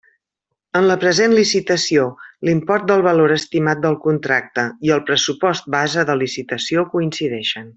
En la present licitació l'import del valor estimat del contracte i el pressupost base de licitació coincideixen.